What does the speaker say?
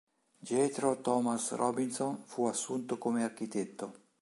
Jethro Thomas Robinson fu assunto come architetto.